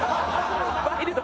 ワイルド。